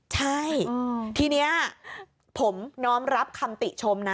ใช่ทีนี้ผมน้อมรับคำติชมนะ